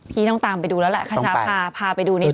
พี่ต้องตามไปดูแล้วแหละขชาพาพาไปดูนิด